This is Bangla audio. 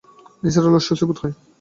নিসার আলির অস্বস্তি বোধ হয়।